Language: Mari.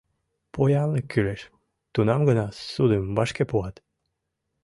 Поянлык кӱлеш, тунам гына ссудым вашке пуат.